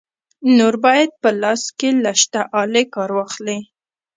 نور باید په لاس کې له شته آلې کار واخلې.